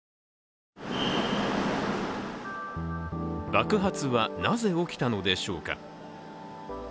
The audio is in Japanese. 爆発は、なぜ起きたのでしょうか。